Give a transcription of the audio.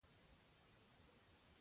استاد سیاف تازه له کابله راغلی وو.